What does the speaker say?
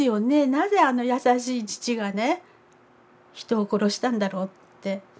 なぜあの優しい父がね人を殺したんだろうって。